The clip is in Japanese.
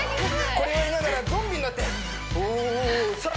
これやりながらゾンビになっておおさあ